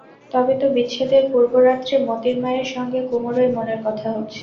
তবে তো বিচ্ছেদের পূর্বরাত্রে মোতির মায়ের সঙ্গে কুমুরই মনের কথা হচ্ছে।